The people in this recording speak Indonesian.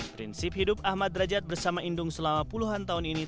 prinsip hidup ahmad derajat bersama indung selama puluhan tahun ini